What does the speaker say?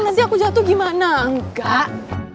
nanti aku jatuh gimana enggak